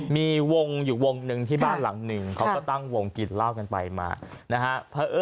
มีวงอยู่วงหนึ่งที่บ้านหลังหนึ่งเขาก็ตั้งวงกินเหล้ากันไปมานะฮะ